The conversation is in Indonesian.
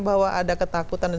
bahwa ada ketakutan